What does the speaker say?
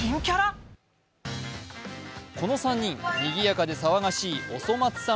この３人、にぎやかで騒がしい「おそ松さん」